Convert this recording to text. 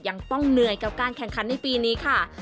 ยังต้องเหนื่อยกับการแข่งขันในปีนี้ค่ะ